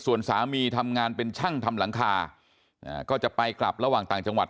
ส่วนสามีทำงานเป็นช่างทำหลังคาก็จะไปกลับระหว่างต่างจังหวัด